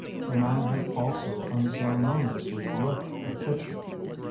The man had also unceremoniously left her kitchen.